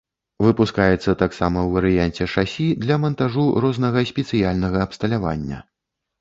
Выпускаецца таксама ў варыянце шасі для мантажу рознага спецыяльнага абсталявання.